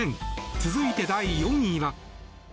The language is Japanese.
続いて、第４位は。